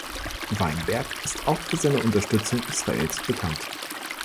Weinberg ist auch für seine Unterstützung Israels bekannt.